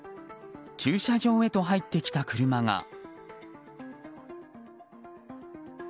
駐車場へと入ってきた車が。